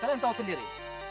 kalian tahu sendiri